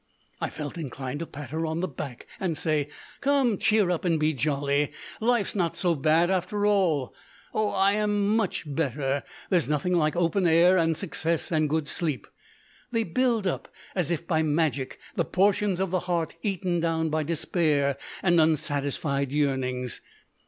I felt inclined to pat her on the back and say, "Come, cheer up and be jolly. Life's not so bad after all." Oh! I am much better. There's nothing like open air and success and good sleep. They build up as if by magic the portions of the heart eaten down by despair and unsatisfied yearnings.